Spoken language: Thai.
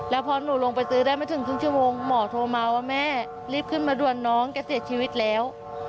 แล้วพอหนูลงไปซื้อได้ไม่ถึงครึ่งชั่วโมงหมอโทรมาว่าแม่รีบขึ้นมาด่วนน้องแกเสียชีวิตแล้ว